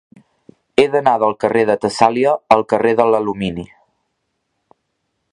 He d'anar del carrer de Tessàlia al carrer de l'Alumini.